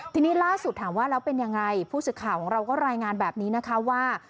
ทีนี้ล่าสุดถามว่าแล้วเป็นยังไงผู้สื่อข่าวของเราก็รายงานแบบนี้นะคะว่า